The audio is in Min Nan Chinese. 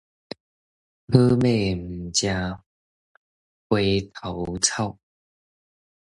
好馬毋食回頭草